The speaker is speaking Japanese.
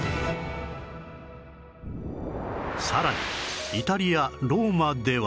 さらにイタリアローマでは